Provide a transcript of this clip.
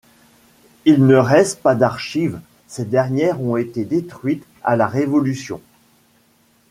Il ne reste pas d'archives, ces dernières ont été détruites à la révolution.